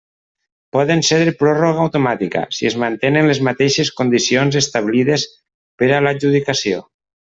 Poden ser de pròrroga automàtica, si es mantenen les mateixes condicions establides per a l'adjudicació.